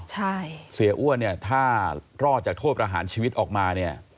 ใช่เสียอ้วนเนี่ยถ้ารอดจากโทษประหารชีวิตออกมาเนี่ย